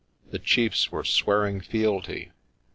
The chiefs were swearing fealty.